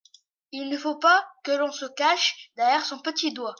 Il ne faut pas que l’on se cache derrière son petit doigt.